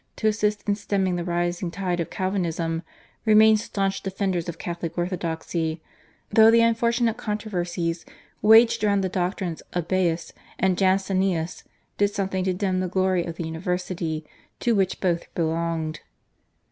to assist in stemming the rising tide of Calvinism, remained staunch defenders of Catholic orthodoxy, though the unfortunate controversies waged round the doctrines of Baius and Jansenius did something to dim the glory of the university to which both belonged.